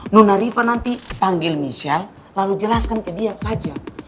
nunariva nanti panggil michelle lalu jelaskan ke dia saja